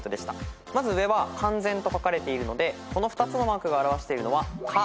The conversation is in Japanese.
まず上は「完全」と書かれているのでこの２つのマークが表しているのは「か」